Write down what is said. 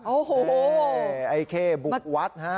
โอ้โหไอ้เข้บุกวัดฮะ